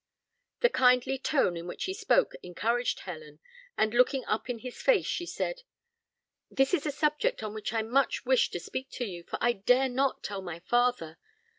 The kindly tone in which he spoke encouraged Helen; and looking up in his face, she said, "This is a subject on which I much wish to speak to you, for I dare not tell my father.